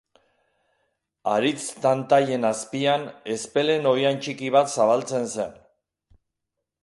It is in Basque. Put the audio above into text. Haritz tantaien azpian ezpelen oihan itxi bat zabaltzen zen.